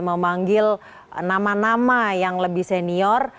memanggil nama nama yang lebih senior